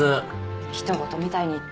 人ごとみたいに言って。